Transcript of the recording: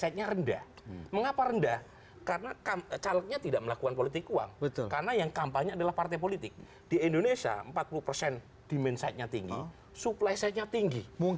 kepala kepala kepala kepala maintaining